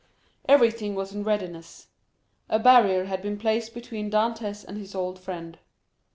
Everything was in readiness. A barrier had been placed between Dantès and his old friend.